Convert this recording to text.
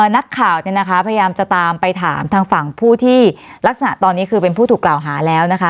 นักข่าวเนี่ยนะคะพยายามจะตามไปถามทางฝั่งผู้ที่ลักษณะตอนนี้คือเป็นผู้ถูกกล่าวหาแล้วนะคะ